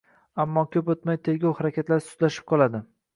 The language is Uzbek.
Ammo ko‘p o‘tmay tergov harakatlari sustlashib qoladi.